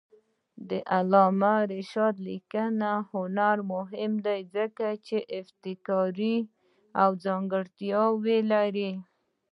د علامه رشاد لیکنی هنر مهم دی ځکه چې ابتکاري ځانګړتیاوې لري.